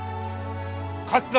勝つぞ！